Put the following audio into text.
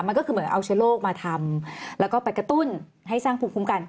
มันก็คือเหมือนเอาเชื้อโรคมาทำแล้วก็ไปกระตุ้นให้สร้างภูมิคุ้มกัน